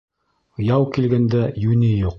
Яу килгәндә йүне юҡ;